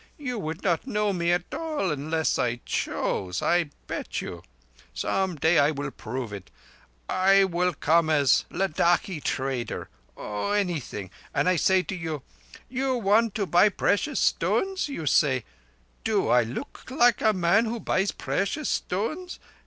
You would not know me at all unless I choose, I bet you. Some day I will prove it. I come as Ladakhi trader—oh, anything—and I say to you: 'You want to buy precious stones?' You say: 'Do I look like a man who buys precious stones?